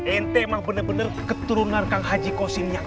ini emang benar benar keturunan kang haji kusimnya